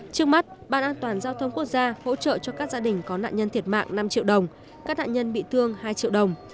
trước mắt ban an toàn giao thông quốc gia hỗ trợ cho các gia đình có nạn nhân thiệt mạng năm triệu đồng các nạn nhân bị thương hai triệu đồng